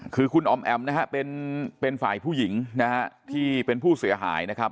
คือคุณออมแอมนะฮะเป็นฝ่ายผู้หญิงนะฮะที่เป็นผู้เสียหายนะครับ